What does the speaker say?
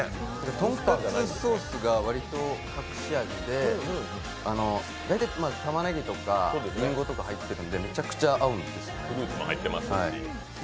豚カツソースが割と隠し味で大体たまねぎとかりんごとか入ってるんで、めちゃくちゃ合うんです。